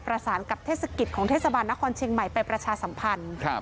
ประสานกับเทศกิจของเทศบาลนครเชียงใหม่ไปประชาสัมพันธ์ครับ